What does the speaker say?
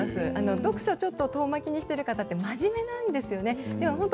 読書を遠巻きにしている方は真面目なんですよね。